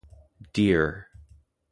Dear.